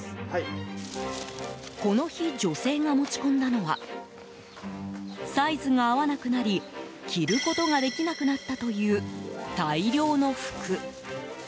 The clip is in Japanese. この日、女性が持ち込んだのはサイズが合わなくなり着ることができなくなったという大量の服。